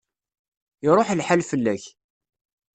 Iṛuḥ lḥal fell-ak.